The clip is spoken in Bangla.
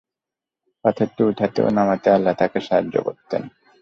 পাথরটি উঠাতে ও নামাতে আল্লাহ তাকে সাহায্য করতেন।